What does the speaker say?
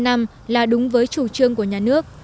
năm là đúng với chủ trương của nhà nước